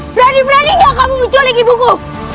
berani berani gak kamu muncul lagi buku